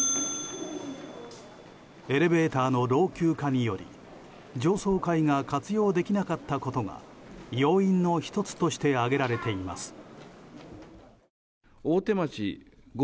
エレベーターの老朽化により上層階が活用できなかったことが要因の１つとして挙げられています。